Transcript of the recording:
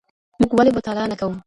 موږ ولې مطالعه نه کوو؟